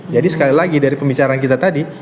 jadi sekali lagi dari pembicaraan kita tadi